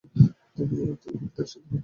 তিনি অতি বিদ্বান ও সাধুপ্রকৃতির ভদ্রলোক।